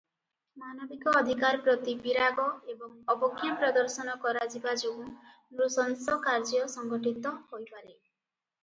ମାନବିକ ଅଧିକାର ପ୍ରତି ବିରାଗ ଓ ଅବଜ୍ଞା ପ୍ରଦର୍ଶନ କରାଯିବା ଯୋଗୁଁ ନୃଶଂସ କାର୍ଯ୍ୟ ସଂଘଟିତ ହୋଇପାରେ ।